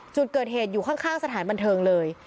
จุดเกิดเหตุอยู่ข้างสถานบันเทิงเลย